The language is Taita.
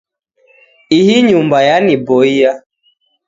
Ihi nyumba yaniboia.